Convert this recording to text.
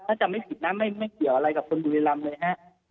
ถ้าจำไม่ผิดนะไม่เกี่ยวอะไรกับคนบุรีรำเลยฮะ